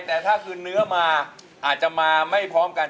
แต่ถ้าคืนเนื้อมาอาจจะมาไม่พร้อมกัน